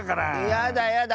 やだやだ！